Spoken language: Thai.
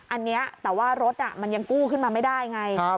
อันนี้แต่ว่ารถมันยังกู้ขึ้นมาไม่ได้ไง